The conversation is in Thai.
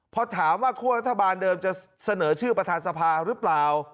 พอถามว่าคั่วรัฐบาลเดิมจะเสนอชื่อประธานสภาหรือเปล่า